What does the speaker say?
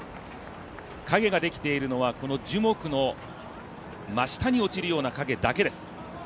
影ができているのは樹木の真下に落ちるような影だけです。